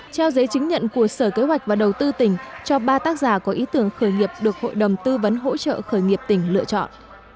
trao giấy chứng nhận của sở kế hoạch và đầu tư tỉnh cho ba tác giả có ý tưởng khởi nghiệp được hội đồng tư vấn hỗ trợ khởi nghiệp tỉnh lựa chọn